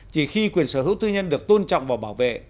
chỉ khi quyền sở hữu tư nhân được tôn trọng và bảo vệ